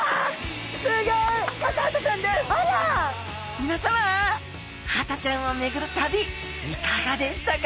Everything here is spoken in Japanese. みなさまハタちゃんをめぐる旅いかがでしたか？